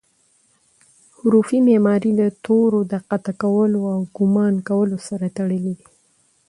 حروفي معماوي د تورو د قاطع کولو او ګومان کولو سره تړلي دي.